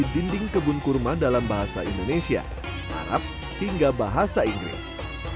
dinding kebun kurma dalam bahasa indonesia arab hingga bahasa inggris